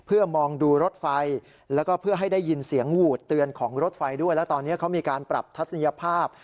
อูดเตือนของรถไฟด้วยและตอนนี้เขามีการปรับทัศนียภาพ